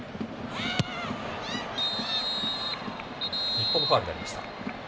日本のファウルになりました。